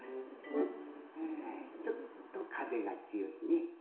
はぁちょっとかぜがつよいね。